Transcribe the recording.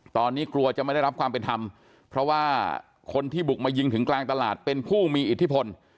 ตอนนี้กลัวจะไม่ได้รับความเป็นธรรมเพราะว่าคนที่บุกมายิงถึงกลางตลาดเป็นผู้มีอิทธิพล